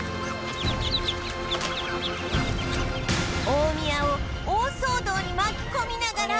大宮を大騒動に巻き込みながら